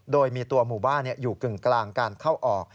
โดยมีตัวหมู่บ้านอยู่กึ่งกลางการเข้าออก